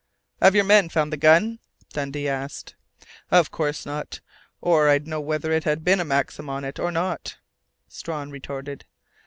"Have your men found the gun?" Dundee asked. "Of course not, or I'd know whether it had a Maxim on it or not," Strawn retorted.